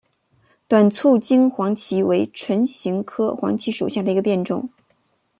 短促京黄芩为唇形科黄芩属下的一个变种。